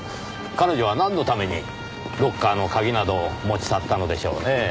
彼女はなんのためにロッカーの鍵などを持ち去ったのでしょうねぇ。